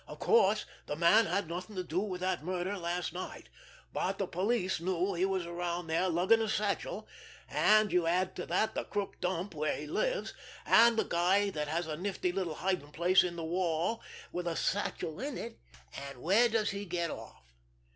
"Of course, the man had nothing to do with that murder last night, but the police know he was around there lugging a satchel, and you add to that the crook dump where he lives, and a guy that has a nifty little hiding place in the wall with a satchel in it—and where does he get off?